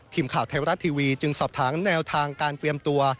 ทีมข่าวไทยรัฐทีวีจึงสอบถามแนวทางการเตรียมตัว